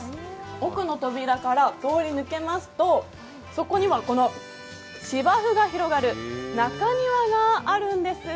奥の扉から通り抜けますとそこにはこの芝生が広がる中庭があるんです。